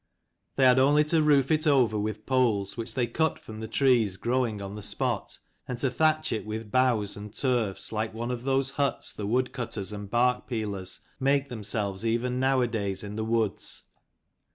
They had only to roof it over with poles, which they cut from the trees growing on the spot, and to thatch it with boughs and turfs like one of those huts the woodcutters and bark peelers make themselves even nowadays in the woods.